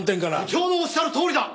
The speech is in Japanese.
部長のおっしゃるとおりだ！